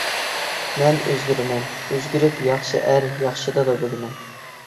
مەن ئۆزگىرىمەن، ئۆزگىرىپ ياخشى ئەر، ياخشى دادا بولىمەن.